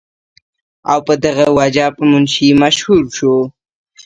او پۀ دغه وجه پۀ منشي مشهور شو ۔